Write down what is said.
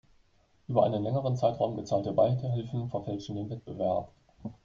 Über einen längeren Zeitraum gezahlte Beihilfen verfälschen den Wettbewerb.